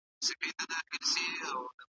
د ټولنیزو نهادونو رول وپېژنه.